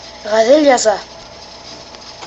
Ғәҙел яза!